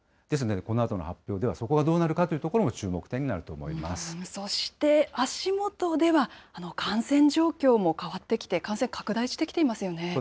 ですので、このあとの発表では、そこがどうなるかというところもそして、足元では、感染状況も変わってきて、感染拡大してきていますよね。